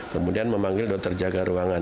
kemudian memanggil dokter jaga ruangan